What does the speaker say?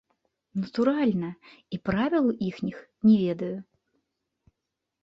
Натуральна, і правілаў іхніх не ведаю.